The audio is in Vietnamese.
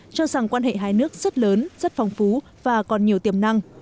cho rằng quan hệ hai nước rất lớn rất phong phú và còn nhiều tiềm năng